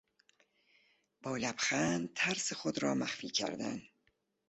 با لبخند ترس خود را مخفی کردن